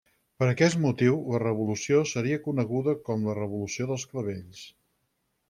Per aquest motiu, la revolució seria coneguda com la Revolució dels Clavells.